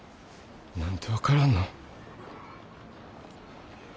何で分からんの？